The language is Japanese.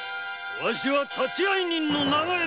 わしは立会人の長江。